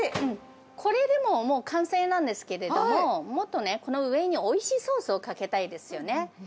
これでもう完成なんですけれども、もっとね、この上においしいソースをかけたいですよね。